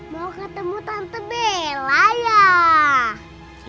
mau ketemu tante bela ya